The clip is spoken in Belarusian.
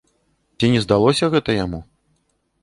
Ці не здалося гэта яму?